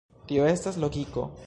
Tio estas logiko.